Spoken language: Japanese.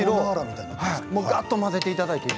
がっと混ぜていただいて。